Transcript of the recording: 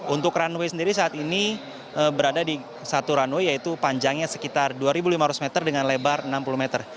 untuk runway sendiri saat ini berada di satu runway yaitu panjangnya sekitar dua lima ratus meter dengan lebar enam puluh meter